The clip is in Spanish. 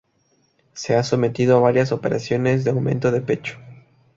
Se ha sometido a varias operaciones de aumento de pecho.